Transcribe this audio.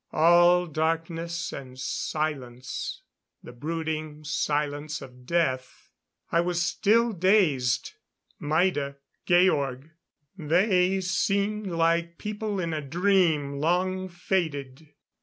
All darkness and silence the brooding silence of death. I was still dazed. Maida Georg; they seemed like people in a dream long faded.